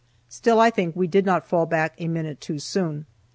Still, I think we did not fall back a minute too soon.